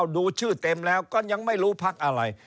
ดูชื่อเต็มแล้วก็ยังไม่รู้พักอะไร